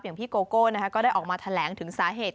พี่โกโก้ก็ได้ออกมาแถลงถึงสาเหตุ